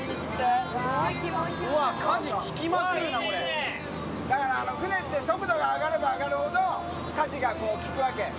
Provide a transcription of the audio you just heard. かじ、だから船って、速度が上がれば上がるほど、かじがきくわけ。